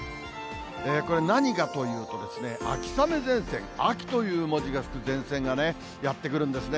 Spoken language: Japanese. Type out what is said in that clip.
これ、何がというと、秋雨前線、秋という文字がつく前線がやって来るんですね。